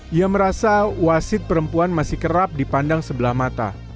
ia merasa wasit perempuan masih kerap dipandang sebelah mata